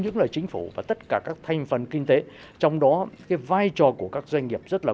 những là chính phủ và tất cả các thành phần kinh tế trong đó cái vai trò của các doanh nghiệp rất là